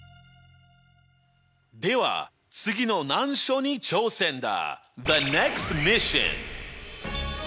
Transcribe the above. では次の難所に挑戦だ！